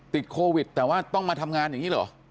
ติดโควิดแต่ว่าต้องมาทำงานอย่างนี้เหรอ